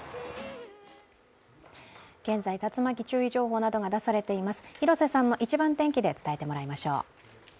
現在、竜巻注意情報などが出されています。